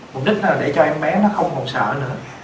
mục đích đó là để cho em bé nó không còn sợ nữa